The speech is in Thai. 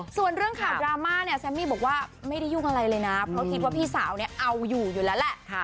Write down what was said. ส่วนเรื่องข่าวดราม่าเนี่ยแซมมี่บอกว่าไม่ได้ยุ่งอะไรเลยนะเพราะคิดว่าพี่สาวเนี่ยเอาอยู่อยู่แล้วแหละ